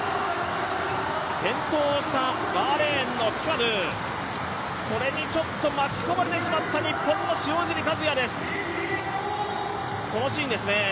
転倒をしたバーレーンのフィカドゥ、それにちょっと巻き込まれてしまった日本の塩尻和也です。